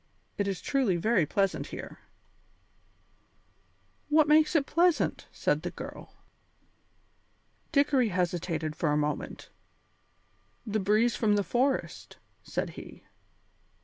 It is truly very pleasant here." "What makes it pleasant?" said the girl. Dickory hesitated for a moment. "The breeze from the forest," said he.